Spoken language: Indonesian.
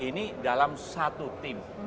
ini dalam satu tim